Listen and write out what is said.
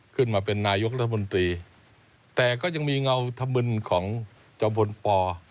ขึ้นมาเป็นนายกรัฐมนตรีแต่ก็ยังมีเงาธมึนของจอมพลป